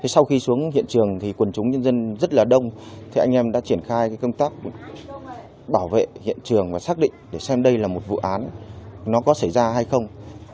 sau khi xuống hiện trường quần chúng nhân dân rất là đông thế anh em đã triển khai công tác bảo vệ hiện trường và xác định để xem đây là một vụ án nó có xảy ra hay không